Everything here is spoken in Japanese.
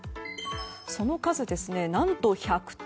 その数、何と１００頭。